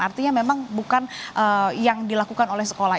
artinya memang bukan yang dilakukan oleh sekolah